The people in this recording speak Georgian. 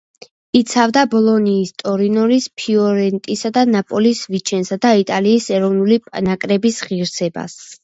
იცავდა „ბოლონიის“, „ტორინოს“, „ფიორენტინას“, „ნაპოლის“, „ვიჩენცას“ და იტალიის ეროვნული ნაკრების ღირსებას.